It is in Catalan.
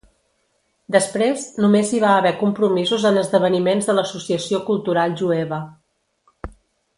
Després, només hi va haver compromisos en esdeveniments de l'Associació Cultural Jueva.